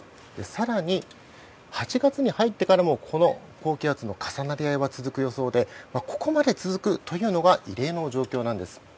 更に、８月に入ってからもこの高気圧の重なり合いは続く予想でここまで続くというのは異例の状況なんです。